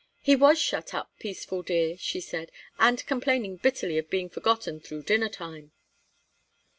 "He was shut up, Peaceful, dear," she said, "and complaining bitterly of being forgotten through dinner time."